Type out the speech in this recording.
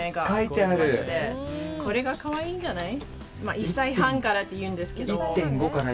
１歳半からっていうんですけど。